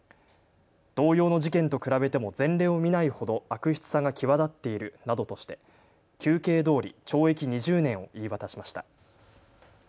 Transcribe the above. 同様の事件と比べても前例を見ないほど悪質さが際立っているなどとして求刑どおり懲役２０年を言い渡しました。